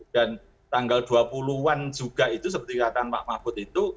dan tanggal dua puluh an juga itu seperti kata pak mahfud itu